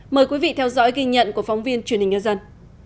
mời quý vị theo dõi ghi nhận của phóng viên truyền hình nhân dân